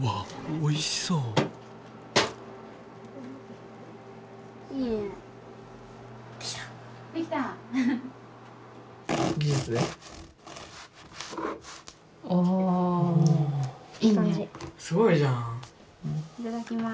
おおいただきます。